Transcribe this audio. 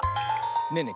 ねえねえ